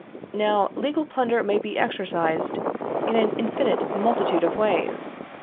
Now, legal plunder may be exercised in an infinite multitude of ways.